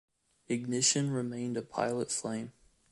Ignition remained a pilot flame.